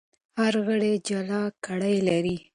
هر غړی جلا ګړۍ لري.